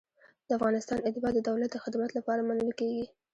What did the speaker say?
د افغانستان اتباع د دولت د خدمت لپاره منل کیږي.